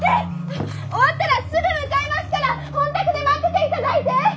終わったらすぐ向かいますから本宅で待ってていただいて！！